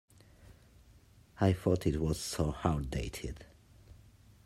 I thought it was so outdated.